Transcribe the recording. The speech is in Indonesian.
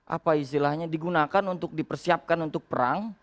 apa istilahnya digunakan untuk dipersiapkan untuk perang